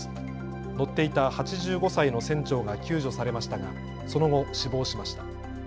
乗っていた８５歳の船長が救助されましたがその後死亡しました。